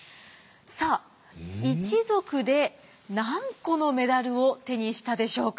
さあ一族で何個のメダルを手にしたでしょうか。